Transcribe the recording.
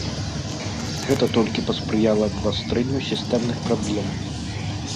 Гэта толькі паспрыяла абвастрэнню сістэмных праблем.